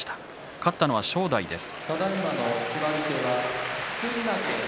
勝ったのは正代です。